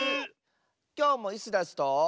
きょうもイスダスと。